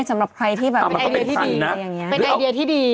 มันก็เป็นไฟล์ที่ดีนะอย่างนี้เป็นไอเดียที่ดี